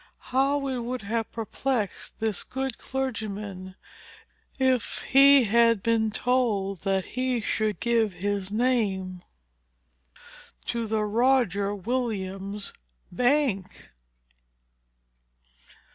How it would have perplexed this good clergyman, if he had been told that he should give his name to the ROGER WILLIAMS BANK!"